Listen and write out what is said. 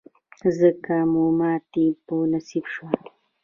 ځکه مو ماتې په نصیب شوه.